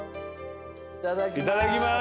いただきます。